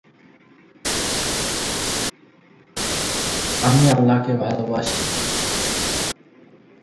চীনে ওয়ান এবং জাপানে মান নামে পরিচিত প্রতীকটি।